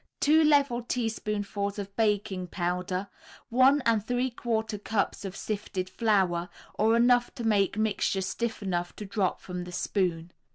Two level teaspoonfuls of baking powder, one and three quarter cups of sifted flour or enough to make mixture stiff enough to drop from the spoon.